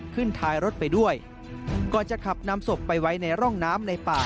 ท้ายรถไปด้วยก่อนจะขับนำศพไปไว้ในร่องน้ำในป่า